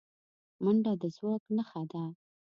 منډه د ځواک نښه ده